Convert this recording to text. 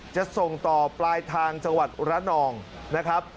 จะส่งต่อปลายทางจังหวัดระนองนะครับ